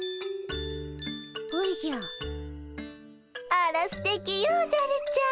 あらすてきよおじゃるちゃん。